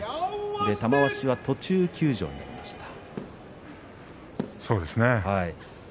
玉鷲は途中休場になりました。